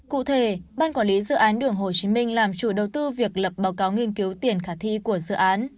cụ thể ban quản lý dự án đường hồ chí minh làm chủ đầu tư việc lập báo cáo nghiên cứu tiền khả thi của dự án